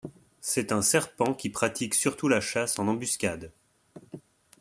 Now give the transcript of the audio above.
C'est un serpent qui pratique surtout la chasse en embuscade.